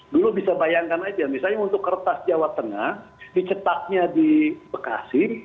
dulu bisa bayangkan aja misalnya untuk kertas jawa tengah dicetaknya di bekasi